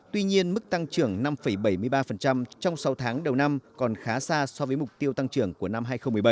tuy nhiên mức tăng trưởng năm bảy mươi ba trong sáu tháng đầu năm còn khá xa so với mục tiêu tăng trưởng của năm hai nghìn một mươi bảy